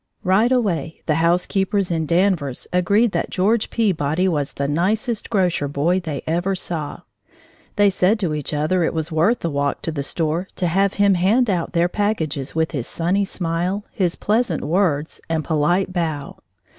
Right away the housekeepers in Danvers agreed that George Peabody was the nicest grocer boy they ever saw. They said to each other it was worth the walk to the store to have him hand out their packages with his sunny smile, his pleasant words, and polite bow.